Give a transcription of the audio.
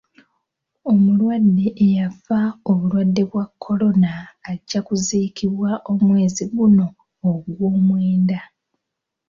Omulwadde eyafa obulwadde bwa kolona ajja kuziikibwa omwezi guno ogw'omwenda